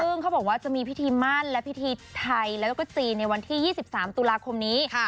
ซึ่งเขาบอกว่าจะมีพิธีมั่นและพิธีไทยแล้วก็จีนในวันที่๒๓ตุลาคมนี้